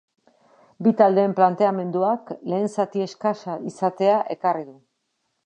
Bi taldeen planteamenduak lehen zati eskasa izatea ekarri du.